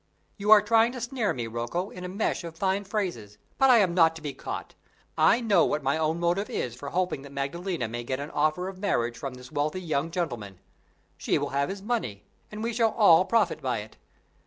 "You are trying to snare me, Rocco, in a mesh of fine phrases; but I am not to be caught. I know what my own motive is for hoping that Maddalena may get an offer of marriage from this wealthy young gentleman she will have his money, and we shall all profit by it.